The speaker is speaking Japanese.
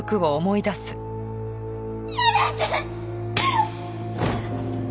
やめて！